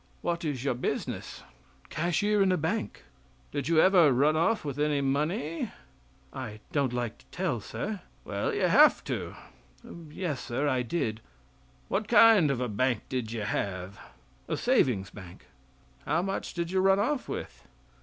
"What is your business?" "Cashier in a bank." "Did you ever run off with any money? I don't like to tell, Sir." "Well, you have to." "Yes, Sir I did." "What kind of a bank did you have?" "A savings bank." "How much did you run off with?"